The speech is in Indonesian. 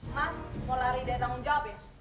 mas mau lari dari tanggung jawab ya